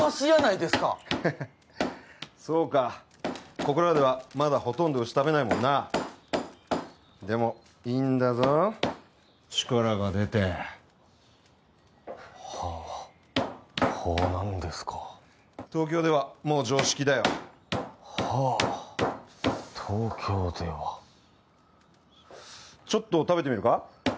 ここらではまだほとんど牛食べないもんなでもいいんだぞ力が出てはあほうなんですか東京ではもう常識だよはあ東京ではちょっと食べてみるか？